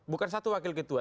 bukan satu wakil ketua